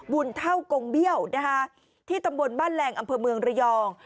บุญเท่ากงเบี้ยวที่ตำบลบ้านแรงอำเภอเมืองระยอง